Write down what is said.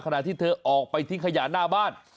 ขณะที่เธอออกไปทิ้งขยะหน้าบ้าน